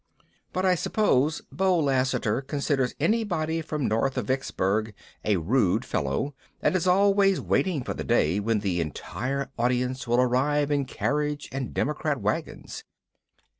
_ But I suppose Beau Lassiter considers anybody from north of Vicksburg a "rude fellow" and is always waiting for the day when the entire audience will arrive in carriage and democrat wagons.